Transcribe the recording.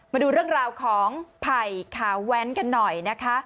มาดูเรื่องราวของไผ่ขาวแว้นกันหน่อยนะคะ